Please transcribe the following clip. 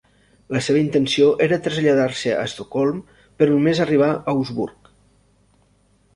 La seva intenció era traslladar-se a Estocolm, però només arriba a Augsburg.